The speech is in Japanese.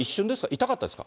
痛かったですか？